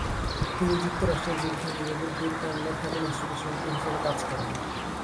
তিনি যুক্তরাষ্ট্রের যুদ্ধ বিভাগের দূরপাল্লার ক্ষেপণাস্ত্র বিশেষজ্ঞ হিসেবে কাজ করেন।